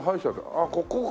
あっここか！